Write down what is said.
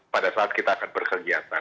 pada saat kita akan berkegiatan